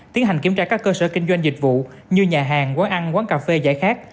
tiến hành kiểm tra các cơ sở kinh doanh dịch vụ như nhà hàng quán ăn quán cà phê giải khát